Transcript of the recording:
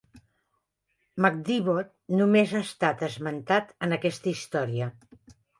McDivot només ha estat esmentat en aquesta història.